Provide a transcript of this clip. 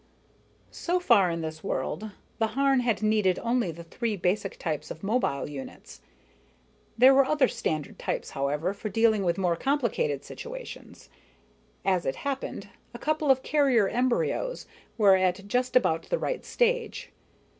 So far, in this world, the Harn had needed only the three basic types of mobile units. There were other standard types, however, for dealing with more complicated situations. As it happened, a couple of carrier embryos were at just about the right stage.